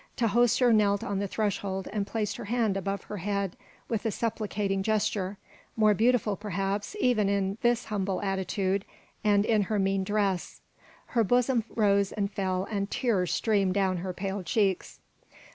Tahoser knelt on the threshold and placed her hand above her head with a supplicating gesture, more beautiful, perhaps, even in this humble attitude and in her mean dress. Her bosom rose and fell and tears streamed down her pale cheeks.